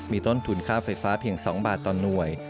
มีต้นทุนค่าไฟฟ้าเพียง๒บาทต่อหน่วย